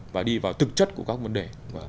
và đi vào thực chất của các vấn đề